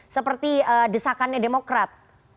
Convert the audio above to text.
seperti desakannya demokrat